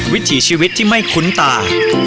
วิถีชีวิตที่ไม่คุ้นตา